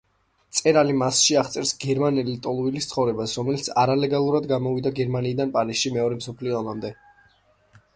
მწერალი მასში აღწერს გერმანელი ლტოლვილის ცხოვრებას, რომელიც არალეგალურად გადმოვიდა გერმანიიდან პარიზში მეორე მსოფლიო ომამდე.